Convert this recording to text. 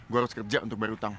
gue harus kerja untuk baru utang